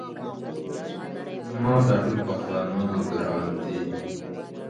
محمود ته واقعي آس خوښ کړه.